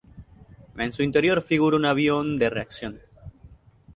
En su interior figura un avión de reacción.